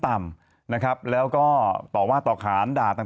ทางแฟนสาวก็พาคุณแม่ลงจากสอพอ